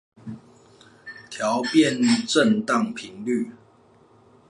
調變振盪頻率